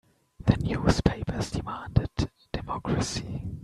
The newspapers demanded democracy.